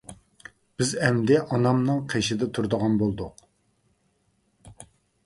بىز ئەمدى ئانامنىڭ قېشىدا تۇرىدىغان بولدۇق.